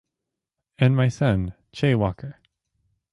And my son, Che Walker.